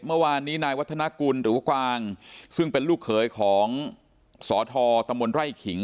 เมื่อวานนี้นายวัฒนากุลหรือกวางซึ่งเป็นลูกเขยของสทตำบลไร่ขิง